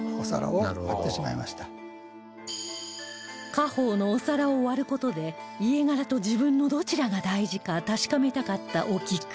家宝のお皿を割る事で家柄と自分のどちらが大事か確かめたかったお菊